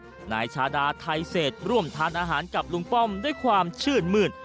นายชาดาไทเศษร่วมทานอาหารกับลุงป้อมด้วยความชื่นมื้น